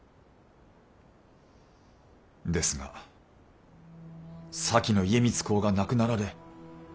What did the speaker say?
ですが先の家光公が亡くなられ。